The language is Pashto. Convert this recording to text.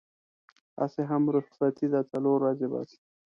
هسې هم رخصتي ده څلور ورځې بس.